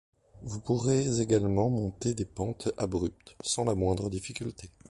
Vous pourrez également monter des pentes abruptes sans la moindre difficulté.